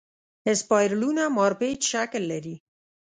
اسپایرلونه مارپیچ شکل لري.